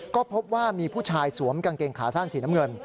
ก็พบว่ามีผู้ชายสวมกางเกงขาสั้นสีน้ำเงิน